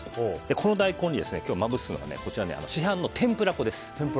この大根に今日まぶすのが市販の天ぷら粉です。